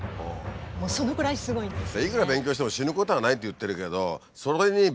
もうそのくらいすごいんですよね。